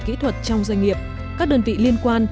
kỹ thuật trong doanh nghiệp các đơn vị liên quan